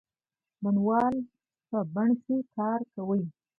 بڼوال په بڼ کې کار کوي.